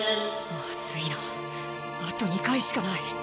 まずいなあと２回しかない。